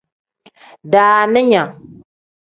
Daaninga.